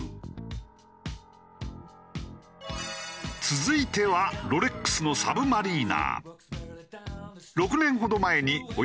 続いてはロレックスのサブマリーナー。